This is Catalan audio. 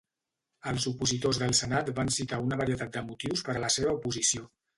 Els opositors del Senat van citar una varietat de motius per a la seva oposició.